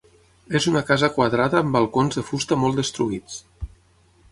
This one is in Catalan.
És una casa quadrada amb balcons de fusta molt destruïts.